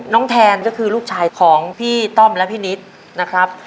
แทนก็คือลูกชายของพี่ต้อมและพี่นิดนะครับ